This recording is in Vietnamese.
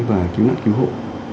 và cứu nạn cứu hộ